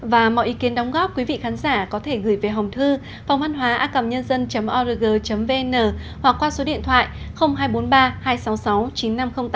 và mọi ý kiến đóng góp quý vị khán giả có thể gửi về hồng thư phongvănhoaacamn org vn hoặc qua số điện thoại hai trăm bốn mươi ba hai trăm sáu mươi sáu chín nghìn năm trăm linh tám